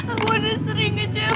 aku udah sering kecewa